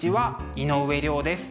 井上涼です。